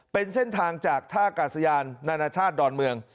เป็นเส้นทางจากท่ากาศยานนานาชาติดอนเมือง